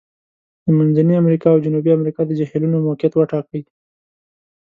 د منځني امریکا او جنوبي امریکا د جهیلونو موقعیت وټاکئ.